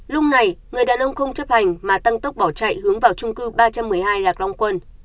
lúc này người đàn ông không chấp hành mà tăng tốc bỏ chạy hướng vào trung cư ba trăm một mươi hai lạc long quân